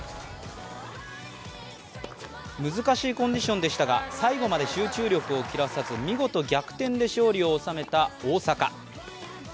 難しいコンディションでしたが最後まで集中力を切らさず見事逆転で勝利を収めた大坂。